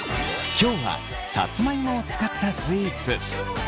今日はさつまいもを使ったスイーツ。